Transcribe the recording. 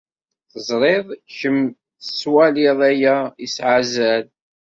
Ẓriɣ kemm tettwaliḍ aya yesɛa azal.